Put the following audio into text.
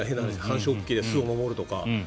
繁殖期で巣を守るとか。